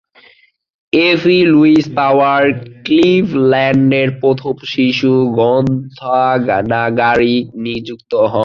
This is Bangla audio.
এফি লুইস পাওয়ার ক্লিভল্যান্ডের প্রথম শিশু গ্রন্থাগারিক নিযুক্ত হন।